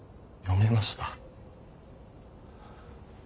読めました！